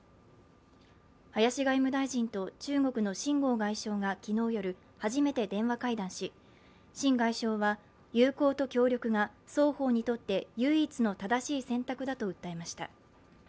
林外務大臣と中国の秦剛外相が昨日夜、初めて電話会談し、秦外相は、友好と協力が双方にとって唯一の正しい選択だと訴えました。